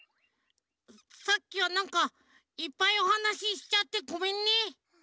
さっきはなんかいっぱいおはなししちゃってごめんね。